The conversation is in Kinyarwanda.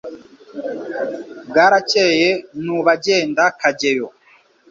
Bwarakeye nu bagenda Kageyo